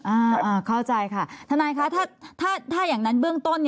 อ่าเข้าใจค่ะทนายคะถ้าอย่างนั้นเบื้องต้น